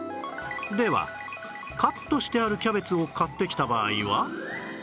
ではカットしてあるキャベツを買ってきた場合は？